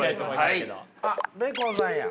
あっベーコンさんや。